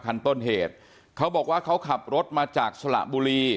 คันต้นเหตุเขาบอกว่าเขาขับรถมาจากสระบุรี